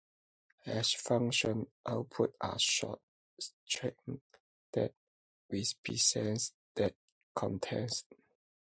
Hash functions output a short string that represents that content.